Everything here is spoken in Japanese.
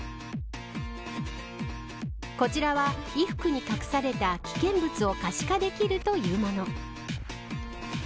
こちらは衣服に隠された危険物を可視化できるというもの。